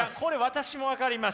私も分かります。